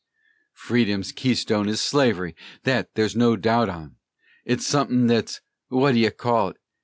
"Freedom's keystone is Slavery, thet ther's no doubt on, It's sutthin' thet's wha' d'ye call it?